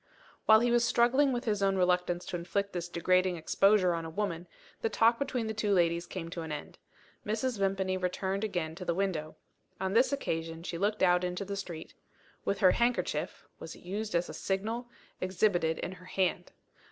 While he was still struggling with his own reluctance to inflict this degrading exposure on a woman, the talk between the two ladies came to an end. Mrs. Vimpany returned again to the window. On this occasion, she looked out into the street with her handkerchief (was it used as a signal?) exhibited in her hand.